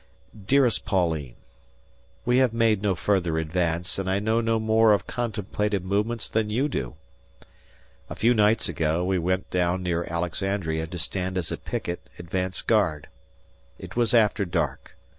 Dearest Pauline: We have made no further advance and I know no more of contemplated movements than you do. ... A few nights ago we went down near Alexandria to stand as a picket (advance) guard. It was after dark.